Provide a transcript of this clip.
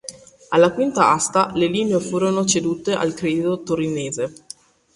Alla quinta asta le linee furono cedute al Credito Torinese.